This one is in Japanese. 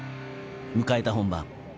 迎えた本番。